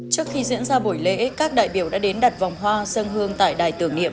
trước khi diễn ra buổi lễ các đại biểu đã đến đặt vòng hoa sân hương tại đài tưởng niệm